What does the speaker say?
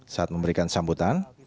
saat memberikan sampaikan